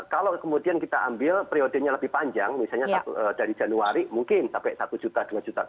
kalau kemudian kita ambil periodenya lebih panjang misalnya dari januari mungkin sampai satu juta dua juta